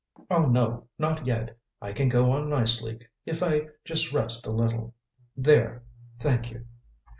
"Oh, no, not yet; I can go on nicely, if I just rest a little. There thank you."